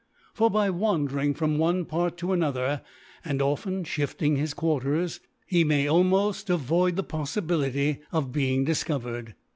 For by wandering from one Part to another, and often fhifting his Quartersf, he may almoft avoid the Foflibility of being difcovcrcd.